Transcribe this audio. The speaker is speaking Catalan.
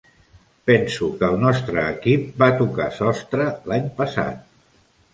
Penso que el nostre equip va tocar sostre l'any passat.